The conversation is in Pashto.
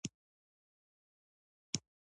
پنېر پاکوالی ښيي.